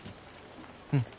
うん。